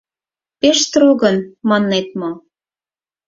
— Пеш строгын, маннет мо?